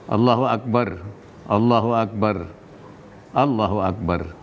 allahu akbar allahu akbar allahu akbar